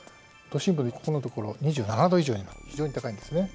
都心部のここのところ２７度以上になって非常に高いんですね。